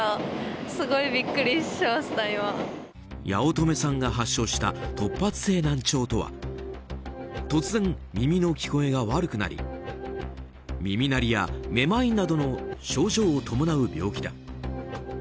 八乙女さんが発症した突発性難聴とは突然耳の聞こえが悪くなり耳鳴りや、めまいなどの症状を伴う病気だ。